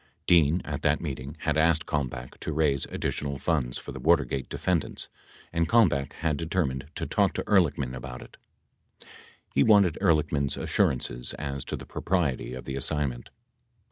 Dean, at that meeting, had asked Kalmbach to raise additional funds for the Watergate defendants and Kalmbach had determined to talk to Ehrlichman about it. 86 He wanted Ehrlichman's assurances as to the propriety of the assignment